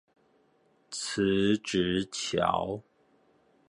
辭職橋